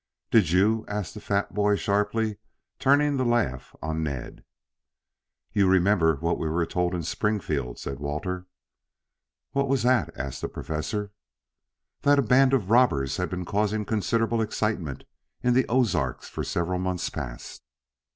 "Did you?" asked the fat boy sharply, turning the laugh on Ned. "You remember what we were told in Springfield," said Walter. "What was that?" asked the Professor. "That a band of robbers had been causing considerable excitement in the Ozarks for several months past."